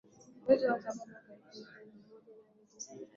mwezi wa saba mwaka elfu moja mia nane tisini na saba